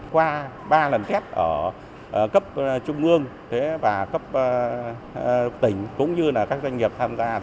qua ba lần kết ở cấp trung ương và cấp tỉnh cũng như các doanh nghiệp tham gia